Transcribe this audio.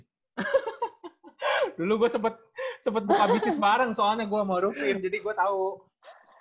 dulu gue sempet buka bts bareng soalnya gue sama rufin